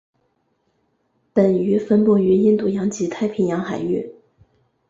本鱼分布于印度洋及太平洋海域。